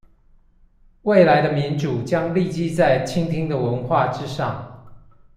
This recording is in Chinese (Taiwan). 未來的民主將立基在傾聽的文化之上